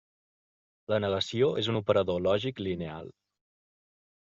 La negació és un operador lògic lineal.